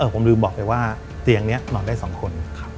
ผมลืมบอกไปว่าเตียงนี้นอนได้๒คน